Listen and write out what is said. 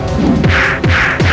aku akan menangkap dia